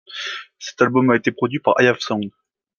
Cet album a été produit par I've Sound.